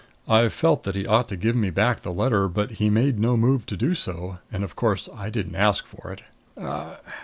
I felt that he ought to give me back the letter; but he made no move to do so. And, of course, I didn't ask for it.